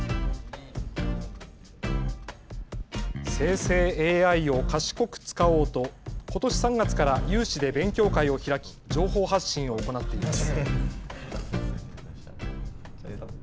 生成ＡＩを賢く使おうとことし３月から有志で勉強会を開き、情報発信を行っています。